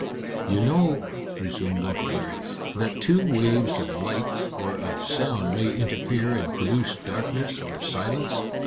"You know," resumed Uncle Larry, "that two waves of light or of sound may interfere and produce darkness or silence.